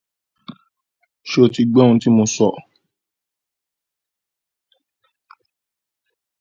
She paid them but warned Thibault never to set foot in her house again.